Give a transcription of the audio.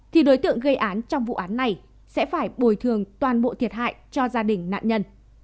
thì đối tượng gây án trong vụ án này sẽ phải bồi thường toàn bộ thiệt hại cho gia đình nạn nhân